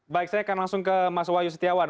baik saya akan langsung ke mas wahyu setiawan